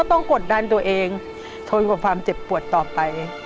กดดันตัวเองทนกว่าความเจ็บปวดต่อไป